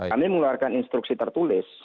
kami mengeluarkan instruksi tertulis